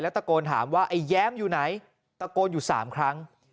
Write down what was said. ตะโกนถามว่าไอ้แย้มอยู่ไหนตะโกนอยู่๓ครั้ง